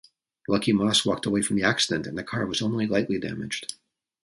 Luckily Moss walked away from the accident and the car was only lightly damaged.